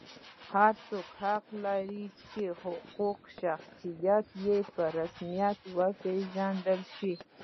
هر څوک حق لري چې حقوقي شخصیت یې په رسمیت وپېژندل شي.